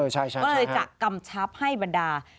ก็เลยจะกำชับให้บรรดา